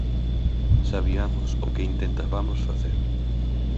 Sabiamos o que intentabamos facer.